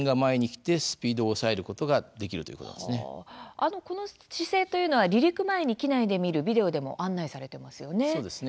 あのこの姿勢というのは離陸前に機内で見るビデオでも案内されてますよね。